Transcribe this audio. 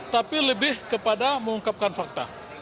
tapi lebih kepada mengungkapkan fakta